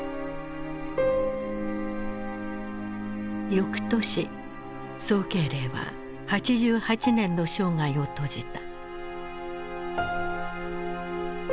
翌年宋慶齢は８８年の生涯を閉じた。